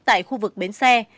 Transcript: tại khu vực bến xe